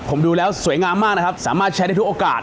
ผมดูแล้วสวยงามมากนะครับสามารถใช้ได้ทุกโอกาส